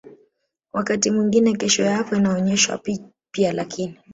wakati mwingine kesho yako inaonyeshwa pia Lakini